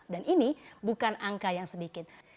dan ini bukan angka yang sedikit